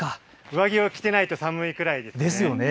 上着を着ていないと寒いくらいです。